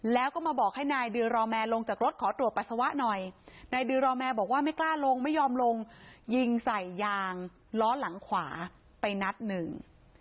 แล้วก็มาบอกให้นายดือรอแมร์ลงจากรถขอตรวจปัสสาวะหน่อยนายดือรอแมร์บอกว่าไม่กล้าลงไม่ยอมลงยิงใส่ยางล้อหลังขวาไปนัดหนึ่ง